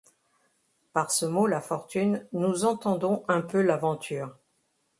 Par ce mot la fortune, nous entendons un peu l’aventure.